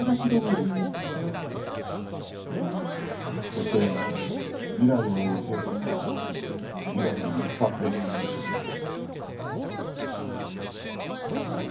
そして未来を覆う閉塞感を見事に一発で打ち破った。